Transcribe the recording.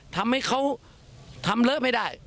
ทำให้เขาทำเลอะไม่ได้